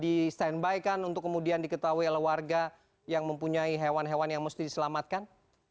di standby kan untuk kemudian diketahui oleh warga yang mempunyai hewan hewan yang mesti diselamatkan